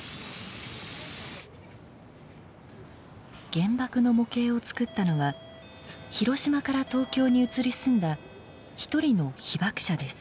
原爆の模型をつくったのは広島から東京に移り住んだ一人の被爆者です。